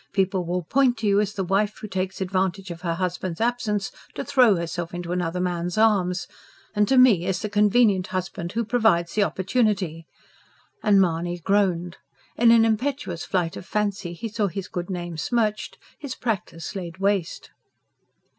People will point to you as the wife who takes advantage of her husband's absence to throw herself into another man's arms; and to me as the convenient husband who provides the opportunity" and Mahony groaned. In an impetuous flight of fancy he saw his good name smirched, his practice laid waste.